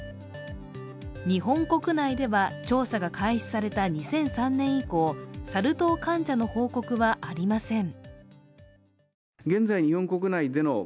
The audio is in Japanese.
日本国内では、調査が開始された２００３年以降サル痘患者の報告はありません。